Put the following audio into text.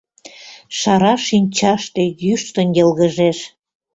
Шара шинчаште йӱштын йылгыжеш…